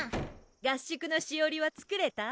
合宿のしおりは作れた？